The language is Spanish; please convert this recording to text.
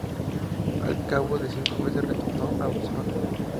Al cabo de cinco meses retornó a Barcelona.